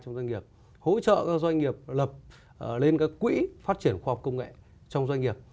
hỗ trợ doanh nghiệp là lập lên các quỹ phát triển khoa học công nghệ trong doanh nghiệp